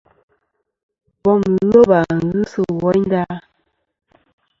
Bom loba ghɨ sɨ woynda.